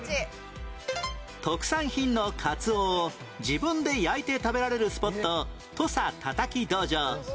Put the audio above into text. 特産品のカツオを自分で焼いて食べられるスポット土佐タタキ道場